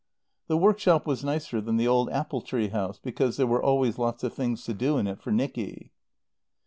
The workshop was nicer than the old apple tree house, because there were always lots of things to do in it for Nicky.